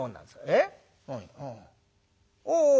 えっ？